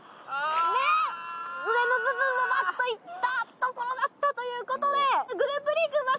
あっ上の部分はガッといったところだったということでグループリーグ